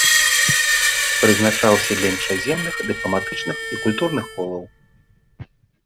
Прызначаўся для іншаземных дыпламатычных і культурных колаў.